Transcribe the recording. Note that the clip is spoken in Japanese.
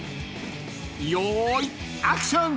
［よーいアクション！］